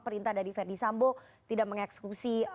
perintah dari verdi sambo tidak mengeksekusi